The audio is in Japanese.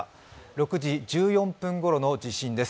６時１４分ごろの地震です。